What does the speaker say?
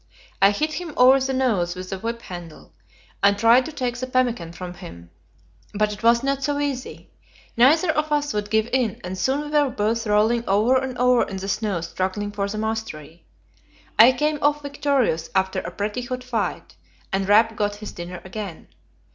I hit him over the nose with the whip handle, and tried to take the pemmican from him, but it was not so easy. Neither of us would give in, and soon we were both rolling over and over in the snow struggling for the mastery. I came off victorious after a pretty hot fight, and Rap got his dinner again.